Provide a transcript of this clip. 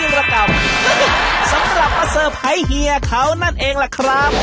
สำหรับมาเซอร์ไพรส์เฮียเขานั่นเองล่ะครับ